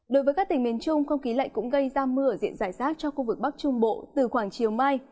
đối với các tỉnh miền trung không khí lạnh cũng gây ra mưa ở diện giải rác cho khu vực bắc trung bộ từ khoảng chiều mai